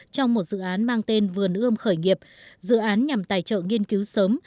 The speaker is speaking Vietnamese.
trong một dự án mang tên vườn ươm khởi nghiệp dự án nhằm tài trợ nghiên cứu sớm